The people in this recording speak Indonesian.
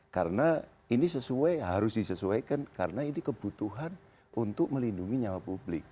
karena ini sesuai harus disesuaikan karena ini kebutuhan untuk melindungi nyawa publik